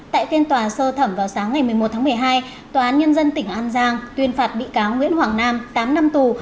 tại phiên tòa sơ thẩm vào sáng ngày một mươi một tháng một mươi hai tòa án nhân dân tỉnh an giang tuyên phạt bị cáo nguyễn hoàng nam tám năm tù